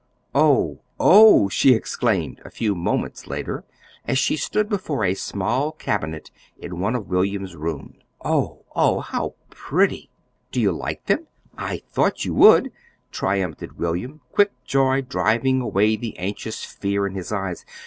"Oh, oh!" she exclaimed a few moments later, as she stood before a small cabinet in one of William's rooms. "Oh, oh, how pretty!" "Do you like them? I thought you would," triumphed William, quick joy driving away the anxious fear in his eyes.